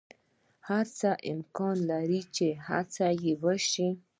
هر څه امکان لری چی هڅه یی وشی